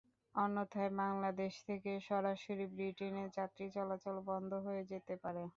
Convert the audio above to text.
অন্যথায় বাংলাদেশ থেকে সরাসরি ব্রিটেনে যাত্রী চলাচল বন্ধ হয়ে যেতে পারে।